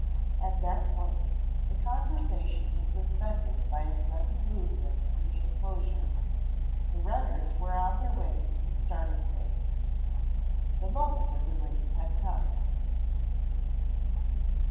At that point, the conversation was suspended by a sudden movement in the inclosure. The runners were on their way to the starting place. The moment of the race had come.